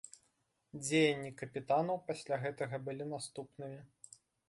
Дзеянні капітанаў пасля гэтага былі наступнымі.